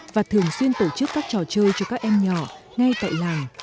và thường xuyên tổ chức các trò chơi cho các em nhỏ ngay tại làng